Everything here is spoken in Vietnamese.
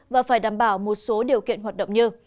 và phải đảm bảo một số điều kiện hoạt động như